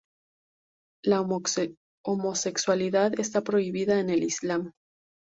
La homosexualidad está prohibida en el islam.